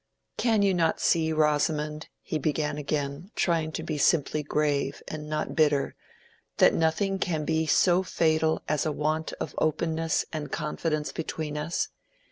"Can you not see, Rosamond," he began again, trying to be simply grave and not bitter, "that nothing can be so fatal as a want of openness and confidence between us?